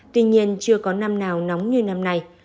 tuy nhiên chưa có năm nào nóng như năm nay